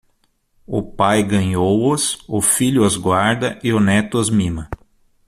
O pai ganhou-os, o filho os guarda e o neto os mima.